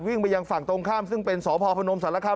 วิ่งไปยังฝั่งตรงข้ามซึ่งเป็นสพพนมสารคาม